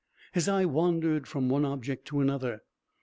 His eye wandered from one object to another.